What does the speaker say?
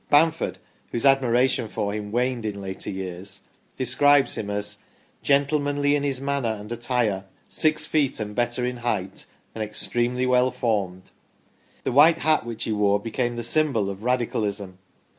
Bamford, whose admira tion for him waned in later years, describes him as " gentlemanly in his manner and attire, six feet and better in height, and extremely well formed ". The white hat which he wore became the symbol of Radical ism.